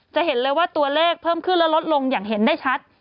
จะเห็นเลยว่าตัวเลขเพิ่มขึ้นและลดลงอย่างเห็นได้ชัด